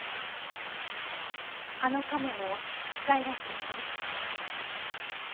あのカメも外来種ですね。